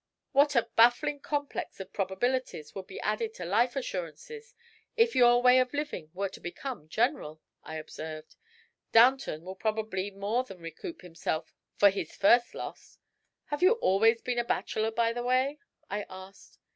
"What a baffling complex of probabilities would be added to Life Assurances if your way of living were to become general!" I observed. "Downton will probably more than recoup himself for his first loss. Have you always been a bachelor, by the way?" I asked.